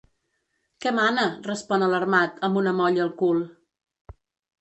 Què mana? —respon alarmat, amb una molla al cul—.